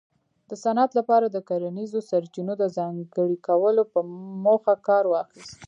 د صنعت لپاره د کرنیزو سرچینو د ځانګړي کولو په موخه کار واخیست